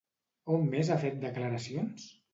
On més ha fet declaracions?